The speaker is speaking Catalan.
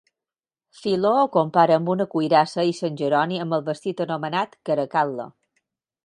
Filó ho compara amb una cuirassa i sant Jeroni amb el vestit anomenat caracal·la.